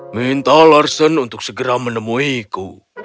minta larsen untuk segera menemuku